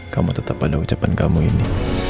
kamu tetap pada ucapan kamu ini